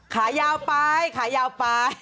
ขายาวไปขายาวไป